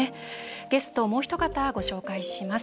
ゲスト、もうひと方ご紹介します。